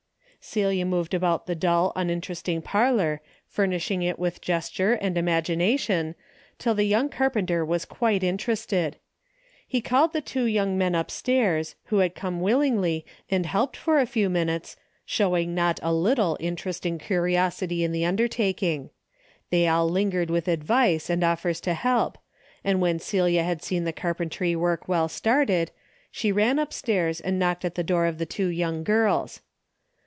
'' Celia moved about the dull unin teresting parlor, furnishing it with gesture and imagination, till the young carpenter was quite interested. He called the two young men upstairs, who came willingly and helped for a few minutes showing not a little interest and curiosity in the undertaking. They all lingered with advice and offers to help, and when Celia had seen the carpentry work well started, she ran upstairs and knocked at the door of the two young girls.